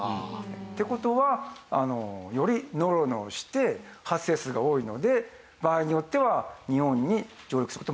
っていう事はよりノロノロして発生数が多いので場合によっては日本に上陸する事もあり得る。